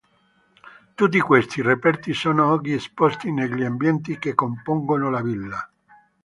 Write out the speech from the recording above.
Tutti questi reperti sono oggi esposti negli ambienti che compongono la villa.